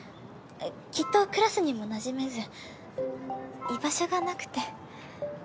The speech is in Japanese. きっとクラスにもなじめず居場所がなくて。